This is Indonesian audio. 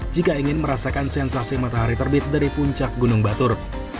jika ingin merasakan sensasi matahari terbit dari puncak gunung batur